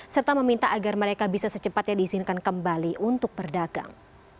serta meminta agar mereka bisa secepatnya diizinkan kembali untuk berdagang